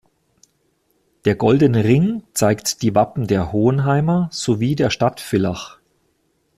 Der goldene Ring zeigt die Wappen der Hohenheimer sowie der Stadt Villach.